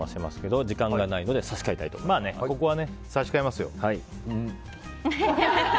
ここはね、差し替えますよ。